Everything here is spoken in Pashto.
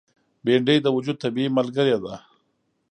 بېنډۍ د وجود طبیعي ملګره ده